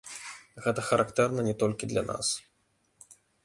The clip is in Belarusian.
Гэта характэрна не толькі для нас.